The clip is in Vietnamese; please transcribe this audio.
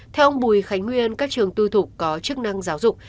theo ông bùi khánh nguyên các trường tuy thuộc có chức năng giáo dục